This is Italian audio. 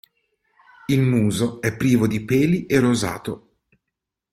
Il muso è privo di peli e rosato.